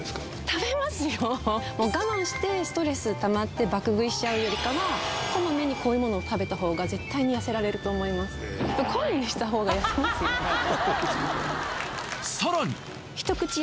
食べますよもう我慢してストレスたまって爆食いしちゃうよりかはこまめにこういうものを食べた方が絶対に痩せられると思いますさらに！